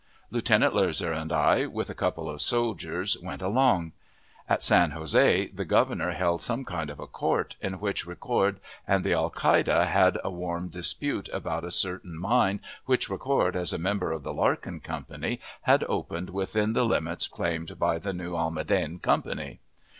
Lieutenant Loeser and I, with a couple of soldiers, went along. At San Jose the Governor held some kind of a court, in which Ricord and the alcalde had a warm dispute about a certain mine which Ricord, as a member of the Larkin Company, had opened within the limits claimed by the New Almaden Company.